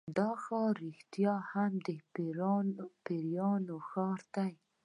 دا ښار رښتیا هم د پیریانو ښار دی.